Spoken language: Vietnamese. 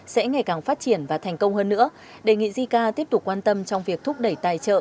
sẽ ngày càng phát triển và thành công hơn nữa đề nghị jica tiếp tục quan tâm trong việc thúc đẩy tài trợ